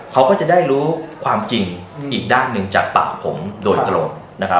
เขาก็จะได้รู้ความจริงอีกด้านหนึ่งจากปากผมโดยตรง